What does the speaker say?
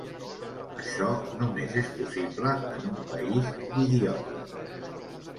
Això, només és possible en un país d’idiotes.